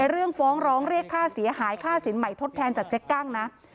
เรื่องฟ้องร้องเรียกค่าเสียหายค่าสินใหม่ทดแทนจากเจ๊กั้งนะ